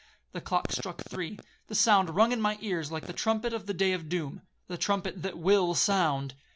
The clock struck three. The sound rung in my ears like the trumpet of the day of doom—the trumpet that will sound.